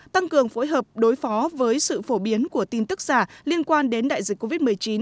tăng cường phối hợp đối phó với sự phổ biến của tin tức giả liên quan đến đại dịch covid một mươi chín